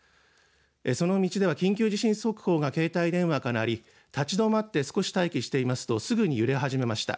その道では緊急地震速報が携帯電話から鳴り、立ち止まって少し待機していますとすぐに揺れ始めました。